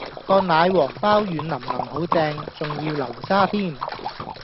個奶黃飽軟腍腍好正，仲要流沙添